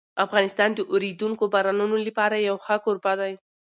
افغانستان د اورېدونکو بارانونو لپاره یو ښه کوربه دی.